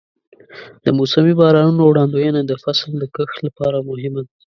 د موسمي بارانونو وړاندوینه د فصل د کښت لپاره مهمه ده.